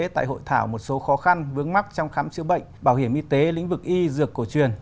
tại hội thảo một số khó khăn vướng mắc trong khám chữa bệnh bảo hiểm y tế lĩnh vực y dược cổ truyền